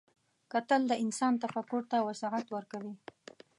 کتل د انسان تفکر ته وسعت ورکوي